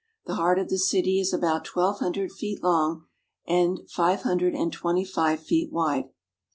The heart of the city is about twelve hundred feet long and five hundred and twenty five feet wide.